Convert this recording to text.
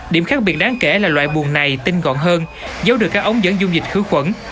điểm khác biệt đáng kể là loại buồn này tinh gọn hơn giấu được các ống dẫn dung dịch khử khuẩn